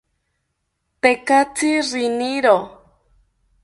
Tekatzi riniro